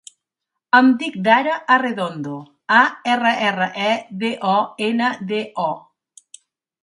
Em dic Dara Arredondo: a, erra, erra, e, de, o, ena, de, o.